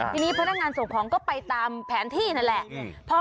ทีนี้พนักงานส่งของก็ไปตามแผนที่นั่นแหละ